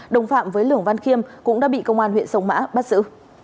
đồng phạm với lường văn khiêm cũng đã bị công an huyện sông mã bắt giữ